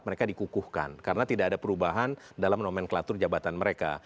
mereka dikukuhkan karena tidak ada perubahan dalam nomenklatur jabatan mereka